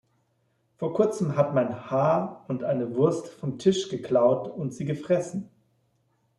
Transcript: Vor kurzem hat mein H- und eine Wurst vom Tisch geklaut und sie gefressen.